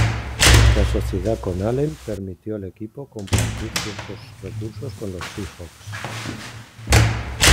La sociedad con Allen permitió al equipo compartir ciertos recursos con los Seahawks.